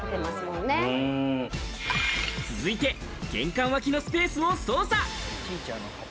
続いて、玄関脇のスペースを捜査。